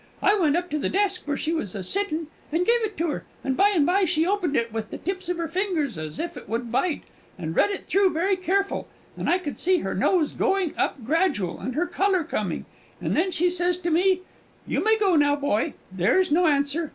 "I went up to the desk where she was a sittin' and gave it her, and by and by she opened it with the tips of her fingers, as if it would bite, and read it all through very careful, and I could see her nose going up gradual, and her colour coming, and then she sez to me, 'You may go now, boy; there's no answer.'